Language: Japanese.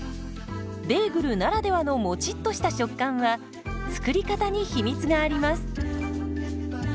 ベーグルならではのもちっとした食感は作り方に秘密があります。